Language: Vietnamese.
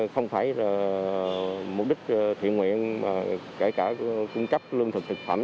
không phải là mục đích thiện nguyện mà kể cả cung cấp lương thực thực phẩm